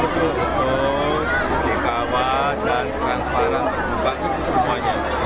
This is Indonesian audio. untuk dikawal dan transparan tergumpal itu semuanya